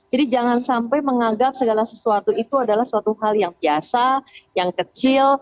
jadi jangan sampai menganggap segala sesuatu itu adalah sesuatu hal yang biasa yang kecil